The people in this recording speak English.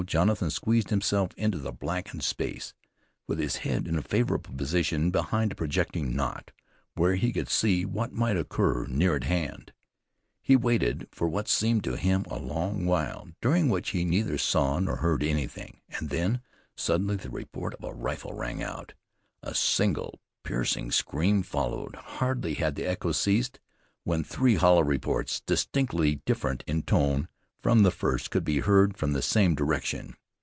Jonathan squeezed himself into the blackened space, with his head in a favorable position behind a projecting knot, where he could see what might occur near at hand. He waited for what seemed to him a long while, during which he neither saw nor heard anything, and then, suddenly, the report of a rifle rang out. A single, piercing scream followed. Hardly had the echo ceased when three hollow reports, distinctly different in tone from the first, could be heard from the same direction.